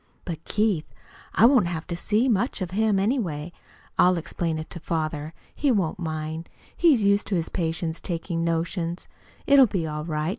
But, Keith I won't have to see much of him, anyway. I'll explain it to father. He won't mind. He's used to his patients taking notions. It'll be all right.